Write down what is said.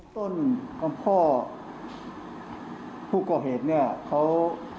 ต้นของพ่อผู้ก่อเหตุเนี่ยเขา